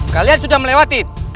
kalian sudah melewati